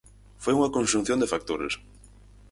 Foi unha conxunción de factores.